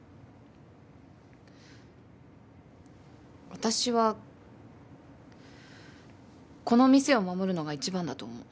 私はこの店を守るのが一番だと思う。